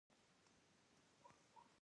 رومیان له وریجو سره هم پخېږي